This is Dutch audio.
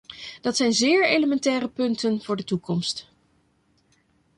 Dat zijn zeer elementaire punten voor de toekomst.